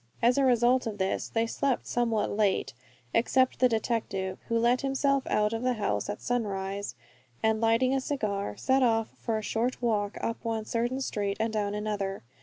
As a result of this they slept somewhat late, except the detective, who let himself out of the house at sunrise, and lighting a cigar, set off for a short walk, up one certain street, and down another.